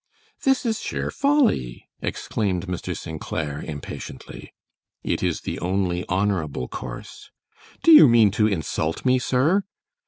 "This is sheer folly," exclaimed Mr. St. Clair, impatiently. "It is the only honorable course." "Do you mean to insult me, sir?"